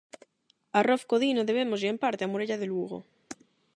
A Rof Codina debémoslle, en parte, a muralla de Lugo.